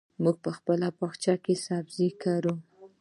موږ په خپل باغچه کې سبزي کرو.